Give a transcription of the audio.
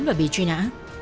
và bị truy nã